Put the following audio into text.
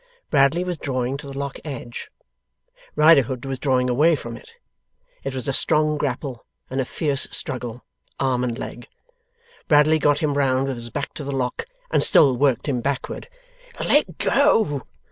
Bradley was drawing to the Lock edge. Riderhood was drawing away from it. It was a strong grapple, and a fierce struggle, arm and leg. Bradley got him round, with his back to the Lock, and still worked him backward. 'Let go!